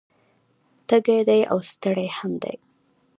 تږی دی او ستړی هم دی